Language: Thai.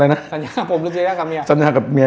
สัญญากับผมหรือสัญญากับเมีย